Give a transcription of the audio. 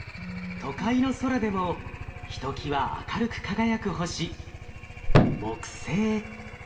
都会の空でもひときわ明るく輝く星木星。